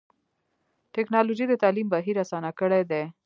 ټکنالوجي د تعلیم بهیر اسان کړی دی.